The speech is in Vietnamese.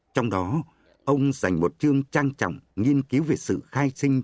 trong đó ông dành một chương trang trọng nghiên cứu về sự khai sinh